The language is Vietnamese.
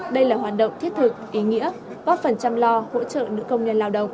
đây là hoạt động thiết thực ý nghĩa góp phần chăm lo hỗ trợ nữ công nhân lao động